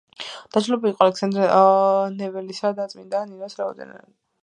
დაჯილდოებული იყო ალექსანდრე ნეველისა და წმინდა ნინოს ორდენით.